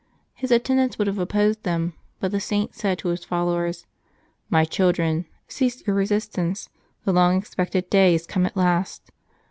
His attendants would have opposed them, but the Saint said to his fol lowers :" My children, cease your resistance ; the long expected day is come at last.